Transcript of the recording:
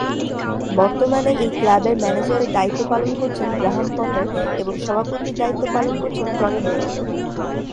বর্তমানে এই ক্লাবের ম্যানেজারের দায়িত্ব পালন করছেন গ্রাহাম পটার এবং সভাপতির দায়িত্ব পালন করছেন টনি ব্লুম।